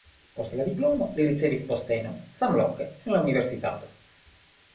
Post la diplomo li ricevis postenon samloke en la universitato.